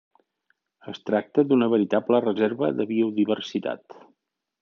Es tracta d'una veritable reserva de biodiversitat.